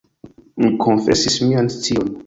Mi konfesis mian scion.